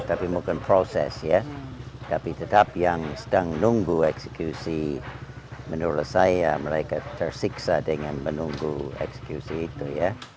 tapi bukan proses ya tapi tetap yang sedang menunggu eksekusi menurut saya mereka tersiksa dengan menunggu eksekusi itu ya